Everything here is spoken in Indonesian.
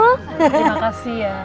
terima kasih ya